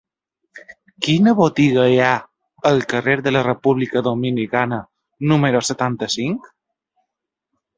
Quina botiga hi ha al carrer de la República Dominicana número setanta-cinc?